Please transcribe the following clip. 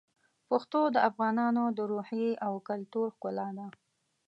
پښتو د افغانانو د روحیې او کلتور ښکلا ده.